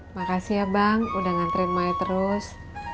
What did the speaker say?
makasih ya bang udah ngantri maya terus